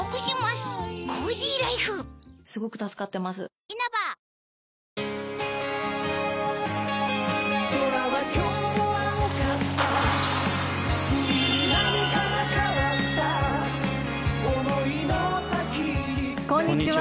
こんにちは。